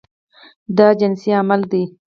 دا جنسي عمل ده.